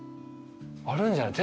あるんじゃない？